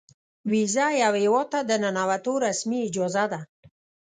ویزه یو هیواد ته د ننوتو رسمي اجازه ده.